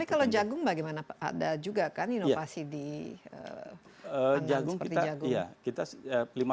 tapi kalau jagung bagaimana pak ada juga kan inovasi di panggung seperti jagung